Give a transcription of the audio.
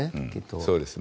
そうですね。